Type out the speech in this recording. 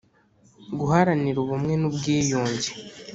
Guharanira ubumwe n ubwiyunge